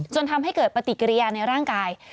จนทำให้เกิดปฏิกิริยาในร่างกาย